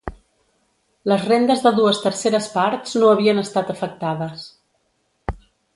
Les rendes de dues terceres parts no havien estat afectades.